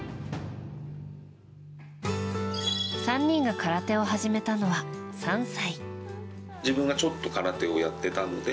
３人が空手を始めたのは３歳。